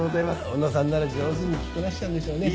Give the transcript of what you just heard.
小野さんなら上手に着こなしちゃうんでしょうね。